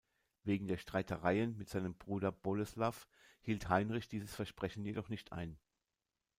Wegen der Streitereien mit seinem Bruder Boleslaw hielt Heinrich dieses Versprechen jedoch nicht ein.